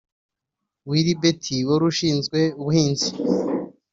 Willy Bett wari ushinzwe ubuhinzi